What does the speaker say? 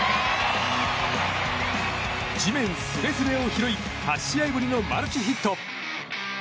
地面すれすれを拾い８試合ぶりのマルチヒット。